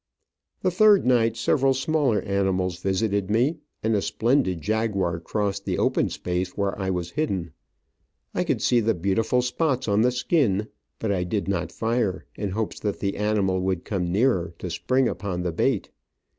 The third night several smaller animals visited me, and a splendid jaguar crossed the open space where I was hidden. I could see the beautiful spots on the skin ; but I did not fire, in hopes that the animal would come nearer to spring upon the bait.